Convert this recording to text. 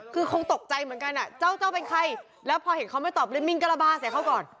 คือคงตกใจเหมือนกันอ่ะเจ้าเจ้าเป็นใครแล้วพอเห็นเขาไม่ตอบเลยมิ่งกระบาดใส่เขาก่อน